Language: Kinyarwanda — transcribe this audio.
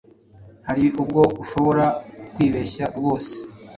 Hari ubwo ushobora kwibeshya rwose